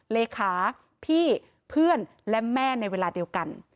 เลขาพี่เพื่อนและแม่ในเวลาเดียวกัน